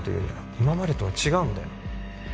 今までとは違うんだよ